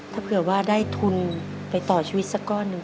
ถ้าเผื่อว่าได้ทุนไปต่อชีวิตสักก้อนหนึ่ง